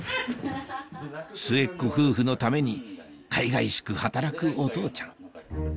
末っ子夫婦のためにかいがいしく働くお父ちゃん